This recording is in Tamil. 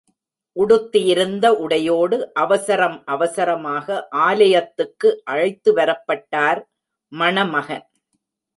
உடுத்தியிருந்த உடையோடு, அவசரம் அவசரமாக ஆலயத்துக்கு அழைத்துவரப்பட்டார் மணமகன்.